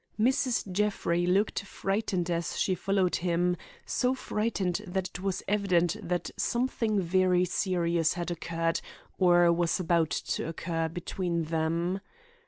Mrs. Jeffrey looked frightened as she followed him; so frightened that it was evident that something very serious had occurred or was about to occur between them.